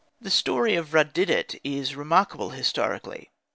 The story of Rud didet is remarkable historically.